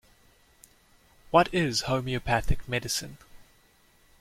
What is homeopathic medicine?